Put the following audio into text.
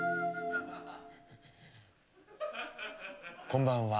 こんばんは。